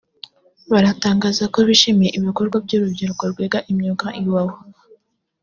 baratangazako bishimiye ibikorwa by’urubyiruko rw’iga imyuga Iwawa